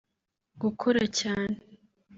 gukora cyane